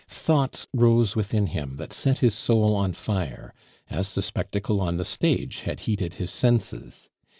Thoughts rose within him that set his soul on fire, as the spectacle on the stage had heated his senses.